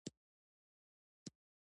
د انځر ونه لرغونې ده